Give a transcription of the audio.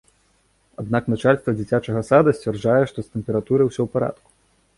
Аднак начальства дзіцячага сада сцвярджае, што з тэмпературай усё ў парадку.